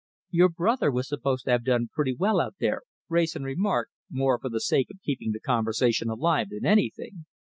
"Your brother was supposed to have done pretty well out there," Wrayson remarked, more for the sake of keeping the conversation alive than anything.